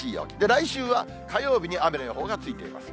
来週は火曜日に雨の予報がついています。